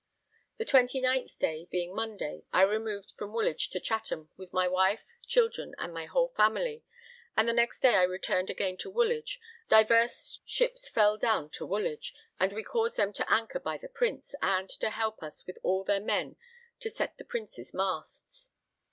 The 29th day, being Monday, I removed from Woolwich to Chatham, with my wife, children, and my whole family, and the next day I returned again to Woolwich, and the next day divers Straits ships fell down to Woolwich, and we caused them to anchor by the Prince, and to help us with all their men to set the Prince's masts.